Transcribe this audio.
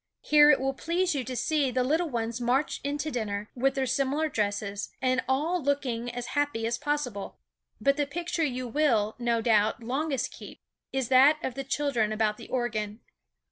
Here it will please you to see the little ones march into dinner, with their similar dresses, and all looking as happy as possible. But the picture you will, no doubt, longest keep, is that of the children about the organ.